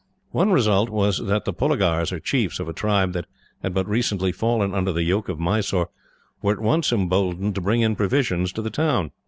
One result was that the polagars, or chiefs, of a tribe that had but recently fallen under the yoke of Mysore, were at once emboldened to bring in provisions to the town.